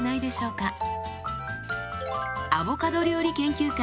アボカド料理研究家